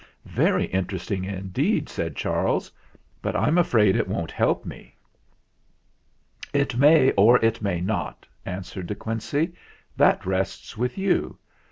"Very interesting indeed," said Charles; "but I'm afraid it won't help me." " It may or it may not," answered De Quincey ; "that rests with you.